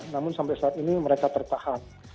namun sampai saat ini mereka tertahan